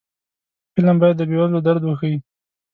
فلم باید د بې وزلو درد وښيي